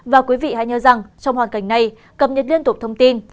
và quý vị hãy nhớ rằng trong hoàn cảnh này cập nhật liên tục thông tin